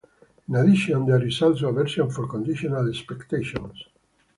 In addition, there is also a version for conditional expectations.